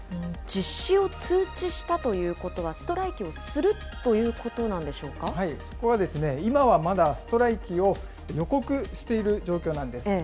実施を通知したということは、ストライキをするということなんそこは、今はまだ、ストライキを予告している状況なんです。